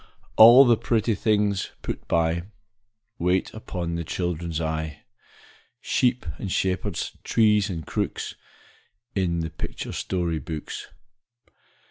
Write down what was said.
All the pretty things put by, Wait upon the children's eye, Sheep and shepherds, trees and crooks, In the picture story books.